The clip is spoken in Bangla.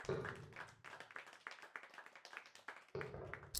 চল দুজন একসাথে যাই, যাবি আমার সাথে?